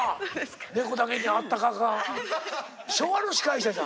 「猫」だけに「あったかかった」。